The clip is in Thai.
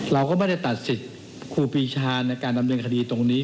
เราก็ไม่ได้ตัดสิทธิ์ครูปีชาในการดำเนินคดีตรงนี้